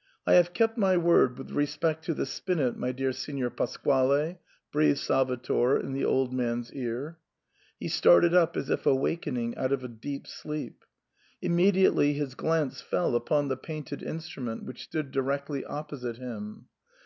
]" I have kept my word with respect to the spinet, my dear Signor Pasquale," breathed Salvator in the old man's ear. He started up as if awakening out of a deep sleep. Immediately his glance fell upon the painted instrument, which stood directly opposite him.